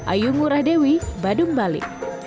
ayu ngurah dewi badung bali